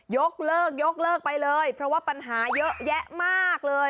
ยกเลิกยกเลิกไปเลยเพราะว่าปัญหาเยอะแยะมากเลย